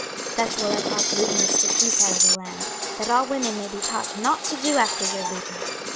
26:023:048 Thus will I cause lewdness to cease out of the land, that all women may be taught not to do after your lewdness.